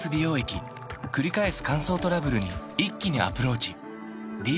くり返す乾燥トラブルに一気にアプローチ